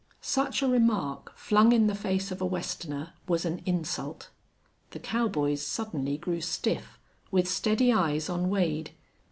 Such a remark flung in the face of a Westerner was an insult. The cowboys suddenly grew stiff, with steady eyes on Wade.